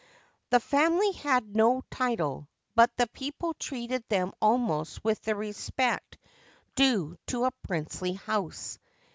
The family had no title ; but the people treated them almost with the respect due to a princely house.